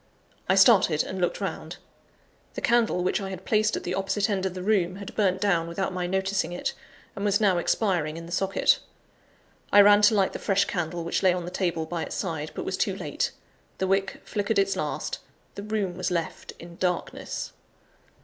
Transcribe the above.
I started and looked round. The candle, which I had placed at the opposite end of the room, had burnt down without my noticing it, and was now expiring in the socket. I ran to light the fresh candle which lay on the table by its side, but was too late. The wick flickered its last; the room was left in darkness.